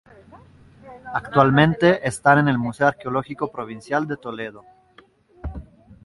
Actualmente están en el Museo Arqueológico Provincial de Toledo.